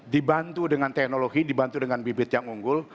dibantu dengan teknologi dibantu dengan bibit yang unggul